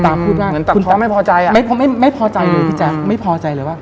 ตาพูดได้เหมือนแต่พ่อไม่พอใจอ่ะไม่พอใจเลยพี่แจ๊คไม่พอใจเลยว่า